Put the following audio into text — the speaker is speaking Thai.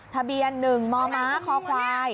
ทะเบียน๑มมคค๒๐๖๕